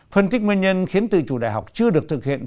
phân tích nguyên nhân khiến tự chủ đại học chưa được thực hiện